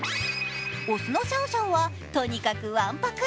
雄のシャオシャオはとにかくわんぱく。